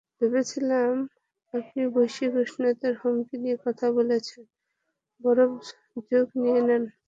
ভেবেছিলাম আপনি বৈশ্বিক উষ্ণতা হুমকি নিয়ে কথা বলছেন, বরফ যুগ নিয়ে নয়!